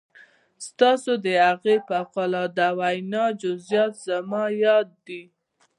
ستاسې د هغې فوق العاده وينا جزئيات زما ياد دي.